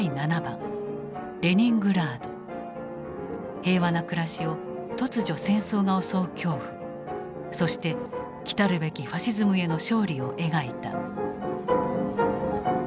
平和な暮らしを突如戦争が襲う恐怖そして来るべきファシズムへの勝利を描いた。